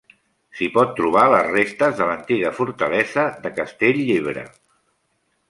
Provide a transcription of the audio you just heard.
S'hi pot trobar les restes de l'antiga fortalesa de Castell-llebre.